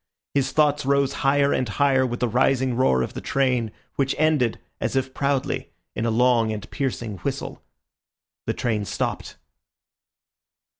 His thoughts rose higher and higher with the rising roar of the train, which ended, as if proudly, in a long and piercing whistle. The train stopped.